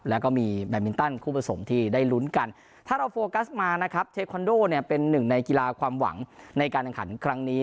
แล้วก็มีแบตมินตันคู่ผสมที่ได้ลุ้นกันถ้าเราโฟกัสมานะครับเทคอนโดเนี่ยเป็นหนึ่งในกีฬาความหวังในการแข่งขันครั้งนี้